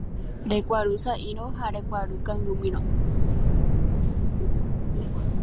Rekuarusa'írõ ha rekuaru kangymírõ.